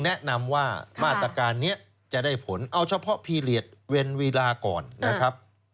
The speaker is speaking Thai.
แนะนำว่ามาตรการนี้จะได้ผลเอาเฉพาะพีเรียสเวนเวลาก่อนนะครับ